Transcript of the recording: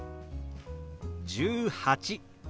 「１８」。